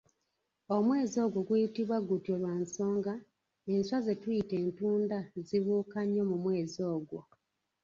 Omwezi ogwo guyitibwa gutyo lwa nsonga, enswa ze tuyita, "Entunda" zibuuka nnyo mu mwezi ogwo.